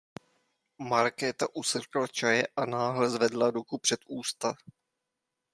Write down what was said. Markéta usrkla čaje a náhle zvedla ruku před ústa.